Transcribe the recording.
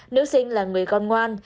nữ sinh là người con ngoan